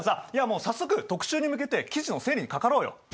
もう早速特集に向けて記事の整理にかかろうよ。